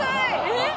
えっ？